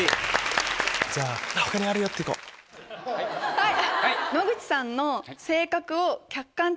はい！